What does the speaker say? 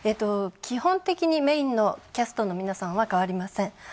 基本的にメインのキャストの皆さんは変わりません。